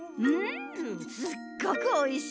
すっごくおいしいよ。